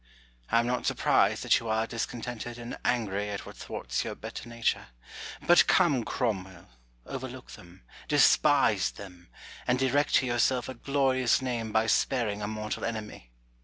I am not surprised that you are discontented and angry at what thwarts your better nature. But come, Cromwell, overlook them, despise them, and erect to yourself a glorious name by sparing a mortal enemy.